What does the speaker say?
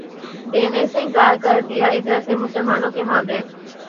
دینے سے انکار کر دیا ادھر سے مسلمانوں کے مابین